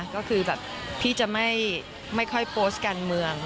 ก็คือพี่จะไม่ค่อยบนครบลงการเมือง